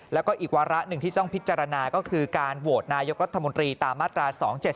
แล้วก็อีกวาระหนึ่งที่ต้องพิจารณาก็คือการโหวตนายกรัฐมนตรีตามมาตรา๒๗๒